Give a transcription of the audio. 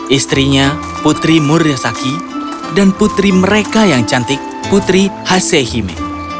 istrinya putri muryasaki dan putri mereka yang cantik putri hasehime